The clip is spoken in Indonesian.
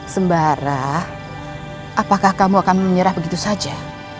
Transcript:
sembara apakah kamu akan menyerah begitu saja